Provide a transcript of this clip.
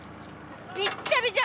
びっちゃびちゃ。